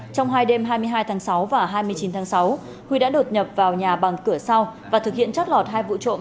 trong hai đêm hai mươi hai tháng sáu và hai mươi chín tháng sáu huy đã đột nhập vào nhà bằng cửa sau và thực hiện chót lọt hai vụ trộm